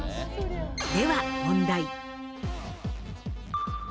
では問題。